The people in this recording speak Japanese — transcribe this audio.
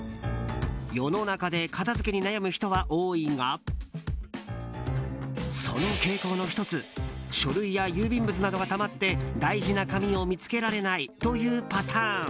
世の中で片付けに悩む人は多いがその傾向の１つ書類や郵便物などがたまって大事な紙を見つけられないというパターン。